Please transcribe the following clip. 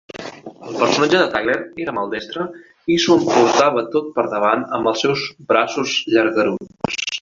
El personatge de Tyler era maldestre i s'ho emportava tot per davant amb els seus "braços llargaruts".